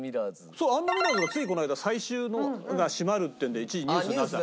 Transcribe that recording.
アンナミラーズはついこの間最終閉まるっていうので一時ニュースになってた。